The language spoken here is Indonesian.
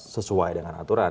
sesuai dengan aturan